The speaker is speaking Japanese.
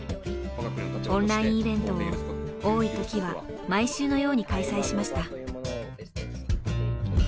オンラインイベントを多いときは毎週のように開催しました。